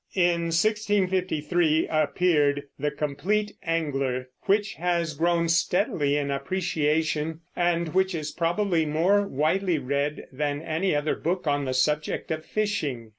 In 1653 appeared The Compleat Angler, which has grown steadily in appreciation, and which is probably more widely read than any other book on the subject of fishing.